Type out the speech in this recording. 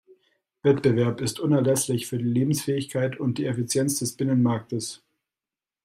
Wettbewerb ist unerlässlich für die Lebensfähigkeit und die Effizienz des Binnenmarktes.